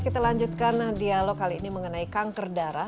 kita lanjutkan dialog kali ini mengenai kanker darah